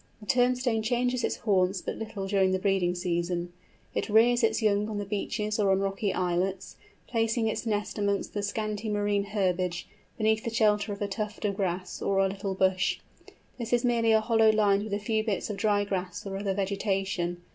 The Turnstone changes its haunts but little during the breeding season. It rears its young on the beaches or on rocky islets, placing its nest amongst the scanty marine herbage, beneath the shelter of a tuft of grass or a little bush. This is merely a hollow lined with a few bits of dry grass or other vegetation.